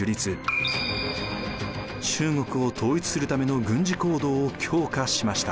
中国を統一するための軍事行動を強化しました。